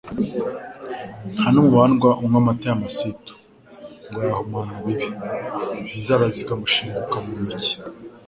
nta n’umubandwa unywa amata y’amasitu ngo yahumana bibi, inzara zikamushinguka mu ntoki